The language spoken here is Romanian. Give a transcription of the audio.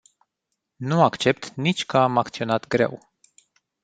Nu accept nici că am acționat greu.